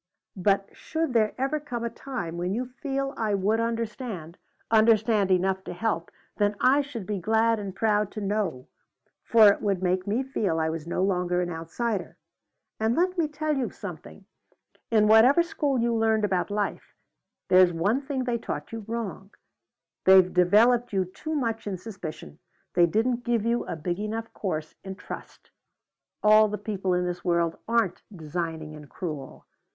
But should there ever come a time when you feel I would understand, understand enough to help, then I should be glad and proud to know, for it would make me feel I was no longer an outsider. And let me tell you something. In whatever school you learned about life, there's one thing they taught you wrong. They've developed you too much in suspicion. They didn't give you a big enough course in trust. All the people in this world aren't designing and cruel.